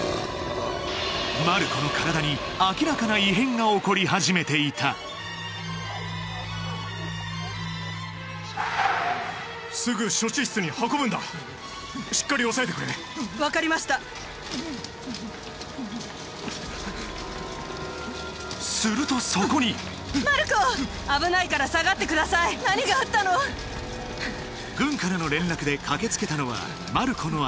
マルコの体に明らかな異変が起こり始めていたするとそこに軍からの連絡で駆けつけたのはマルコの姉